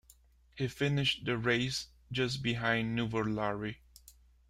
He finished the race just behind Nuvolari.